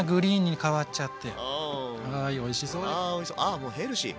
あもうヘルシー。